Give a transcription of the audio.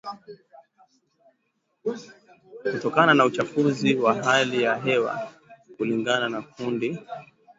kutokana na uchafuzi wa hali ya hewa kulingana na kundi la